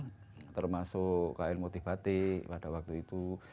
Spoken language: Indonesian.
di sini juga diperoleh kain motif batik pada waktu itu